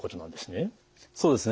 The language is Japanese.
そうですね。